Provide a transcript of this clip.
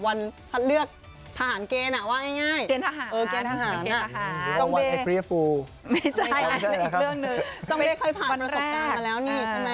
สัปดาห์ก่อนหน้านู้น